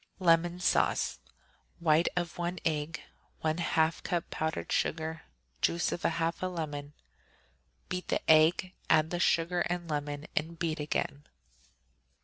Lemon Sauce White of one egg. 1/2 cup powdered sugar. Juice of half a lemon. Beat the egg, add the sugar and lemon, and beat again.